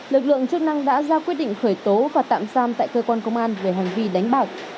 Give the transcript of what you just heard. lực lượng chức năng đã ra quyết định khởi tố và tạm giam tại cơ quan công an về hành vi đánh bạc